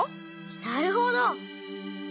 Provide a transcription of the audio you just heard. なるほど！